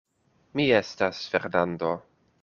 Mi estas Fernando.